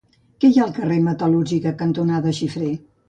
Què hi ha al carrer Metal·lúrgia cantonada Xifré?